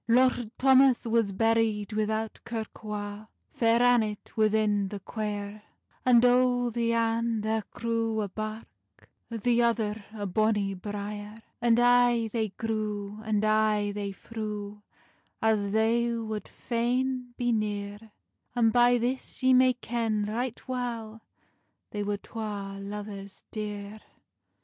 Lord Thomas was buried without kirk wa, Fair Annet within the quiere, And o the ane thair grew a birk, The other a bonny briere. And ay they grew, and ay they threw, As they wad faine be neare; And by this ye may ken right weil They were twa luvers deare.